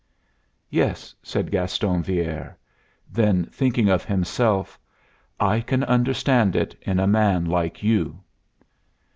"Yes," said Gaston Villere. Then, thinking of himself, "I can understand it in a man like you."